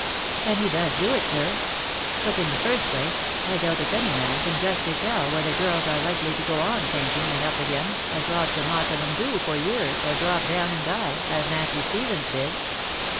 " And he does do it, sir. But, in the first place, I doubt if any man can justly tell whether girls are likely to go on fainting, and up again, as lots and lots of 'em do for years, or drop down and die, as Nancy Stephens did.